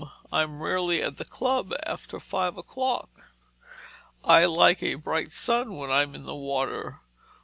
I'm rarely at the club after five o'clock. I like a bright sun when I'm in the water.